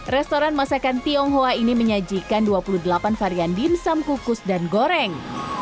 restoran masakan tionghoa ini menyajikan dua puluh delapan varian dimsum kukus dan goreng